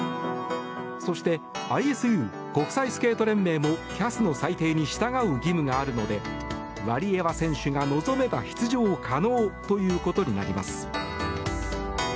そしてＩＳＵ・国際スケート連盟もＣＡＳの裁定に従う義務があるのでワリエワ選手が望めば出場可能ということになります。